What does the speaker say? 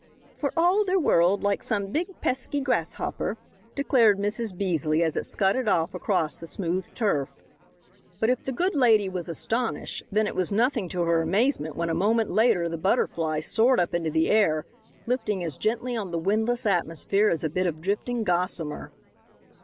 "Fer all ther world like some big, pesky grasshopper," declared Mrs. Beasley, as it scudded off across the smooth turf. But if the good lady was astonished, then it was nothing to her amazement when a moment later the Butterfly soared up into the air, lifting as gently on the windless atmosphere as a bit of drifting gossamer.